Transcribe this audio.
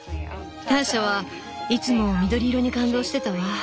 ターシャはいつも緑色に感動してたわ。